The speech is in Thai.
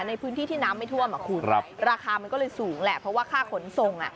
ในพื้นที่ที่น้ำไม่ท่วมอ่ะคุณราคามันก็เลยสูงแหละเพราะว่าค่าขนส่งอ่ะ